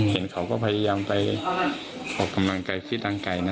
เห็นเขาก็พยายามไปกำลังกายฝีกลางกายนะ